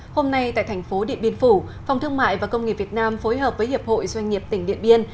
hôm nay tại thành phố điện biên phủ phòng thương mại và công nghiệp việt nam phối hợp với hiệp hội doanh nghiệp tỉnh điện biên